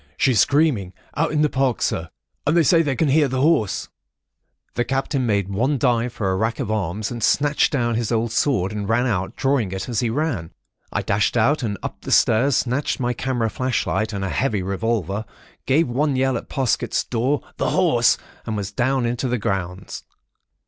'She's screaming.... out in the Park, Sir! And they say they can hear the Horse——' "The Captain made one dive for a rack of arms, and snatched down his old sword, and ran out, drawing it as he ran. I dashed out and up the stairs, snatched my camera flashlight and a heavy revolver, gave one yell at Parsket's door:—'The Horse!' and was down and into the grounds.